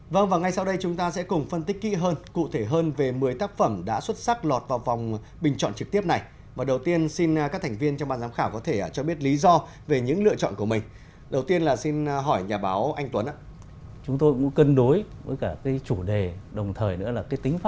rõ ràng thì là để lựa chọn ra một mươi tác phẩm ảnh này thì các thành viên trong ban giám khảo phải có sự đồng nhất tuyệt đối đúng không ạ